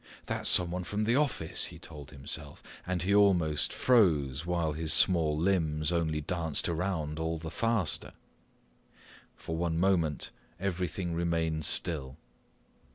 "That's someone from the office," he told himself, and he almost froze while his small limbs only danced around all the faster. For one moment everything remained still.